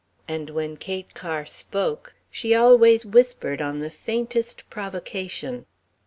And when Kate Kerr spoke, she always whispered on the faintest provocation.